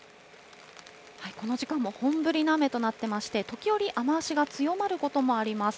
この時間も本降りの雨となっていまして、時折雨足が強まることもあります。